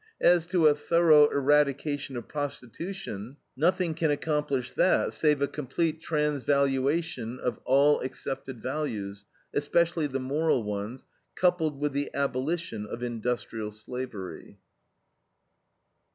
As to a thorough eradication of prostitution, nothing can accomplish that save a complete transvaluation of all accepted values especially the moral ones coupled with the abolition of industrial slavery.